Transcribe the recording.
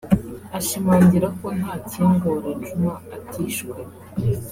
Ashimangira ko Ntakingora Juma atishwe